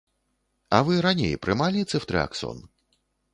А вы раней прымалі цэфтрыаксон?